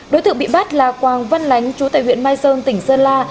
đối tượng bị bắt là quang văn lánh chú tại huyện mai sơn tỉnh sơn la